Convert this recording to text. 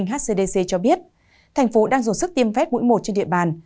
hcdc cho biết thành phố đang dồn sức tiêm phép mũi một trên địa bàn